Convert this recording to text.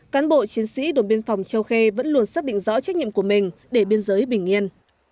cán bộ chiến sĩ đồn biên phòng châu khê vẫn luôn xác định rõ trách nhiệm của mình để biên giới bình yên